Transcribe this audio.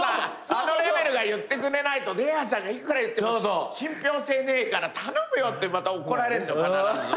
あのレベルが言ってくれないと出川さんがいくら言っても信ぴょう性ねえから頼むよ」ってまた怒られんの必ず。